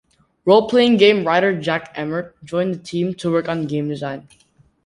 Role-playing game writer Jack Emmert joined the team to work on game design.